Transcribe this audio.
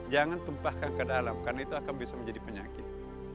jangan tumpahkan ke dalam karena itu akan bisa menjadi penyakit